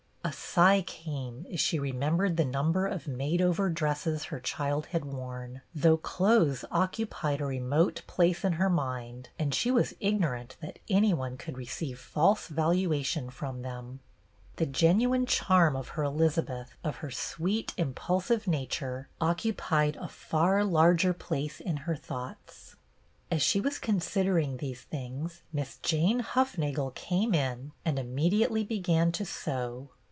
A sigh came as she remembered the number of made over dresses her child had worn, though clothes occupied a remote place in her mind, and she was ignorant that any one could receive false valuation from them. The genuine charm of her Elizabeth, of her sweet, impulsive nature, occupied a far larger place in her thoughts. As she was considering these things Miss Jane Hufnagel came in and immediately be gan to sew.